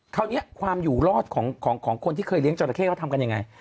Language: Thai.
คราวนี้ความอยู่รอดของคนที่เคยเลี้ยจราเข้เขาทำกันยังไง